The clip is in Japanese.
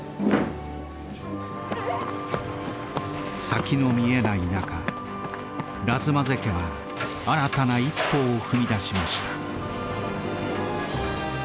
先の見えない中ラズマゼ家は新たな一歩を踏み出しました。